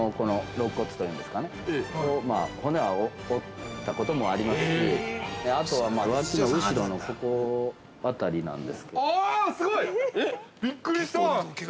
◆肋骨というのですかね、骨は折ったこともありますし、あとは脇の後ろのここあたりなんですけど◆ああ、すごい！びっくりした。